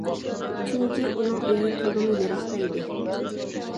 چۈنكى ئۇنىڭ ئۆيى تولىمۇ يىراقتا ئىدى.